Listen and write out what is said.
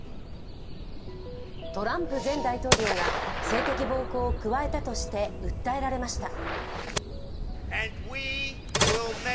トランプ前大統領が性的暴行を加えたとして訴えられました。